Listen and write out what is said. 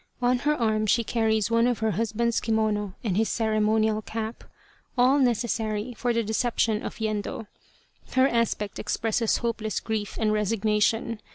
On her arm she carries one of her husband's kimono and his ceremonial cap, all necessary for the deception of Yendo. Her aspect expresses hopeless grief and resignation.